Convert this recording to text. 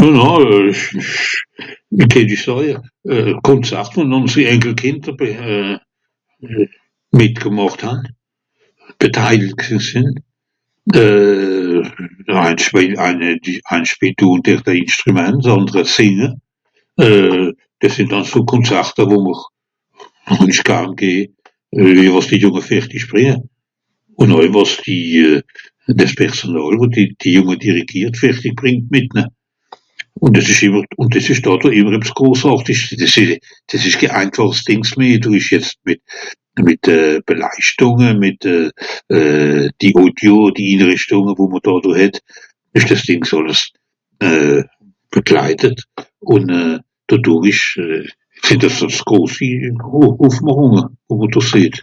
Ah na... ìch... ìch... wie dätt ìch sàja. Euh... Konzart vùn ùnsri Enkelkìnder wie euh... mìtgmàcht han, geteilt gsìn sìnn. euh... ein sp... ein... ein spìelt do dr de Inschtrümant d'àndre sìnge. Euh... Dìs sìnn àlso Konzarte wo mr, wo-n-ich garn geh. Lueje wàs die Kìnder fertisch brìnge. Ùn àui wàs die... dìs Personàl wo die... die Jùnge die regiert ferti brìngt mìt ne. Ùn dìs ìsch dàtto ìmmer ebbs grosàrtisch. Dìs ì... dìs ìsch ké einfàchs dìng meh do ìsch jetz mìt... mìt euh... Beleischtùnge mìt euh... die Audio (...) wo mr dàtto het, ìsch dàs Dìng àlles euh... bekleidet. Ùn euh... dodùrrisch sìnn euh es so grosi Ùffmàchùnge, wo mr do seht.